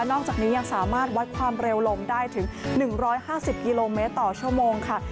อกจากนี้ยังสามารถวัดความเร็วลงได้ถึง๑๕๐กิโลเมตรต่อชั่วโมงค่ะ